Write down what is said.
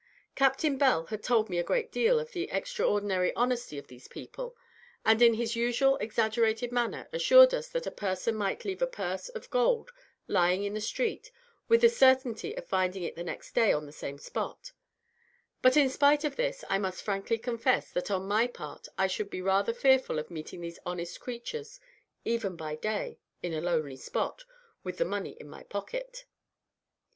Captain Bell had told me a great deal of the extraordinary honesty of these people; and, in his usual exaggerated manner, assured us that a person might leave a purse of gold lying in the street, with the certainty of finding it the next day on the same spot; but, in spite of this, I must frankly confess, that for my own part, I should be rather fearful of meeting these honest creatures, even by day, in a lonely spot, with the money in my pocket.